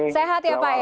sehat ya pak ya